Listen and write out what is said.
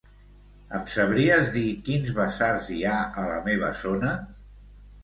Em sabries dir quins basars hi ha a la meva zona?